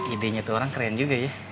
ide nya itu orang keren juga ya